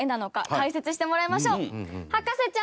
解説してもらいましょう。